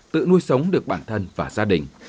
tự nuôi sống được bản thân và gia đình